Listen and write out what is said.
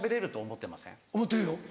思ってるよ。